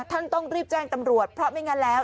ต้องรีบแจ้งตำรวจเพราะไม่งั้นแล้ว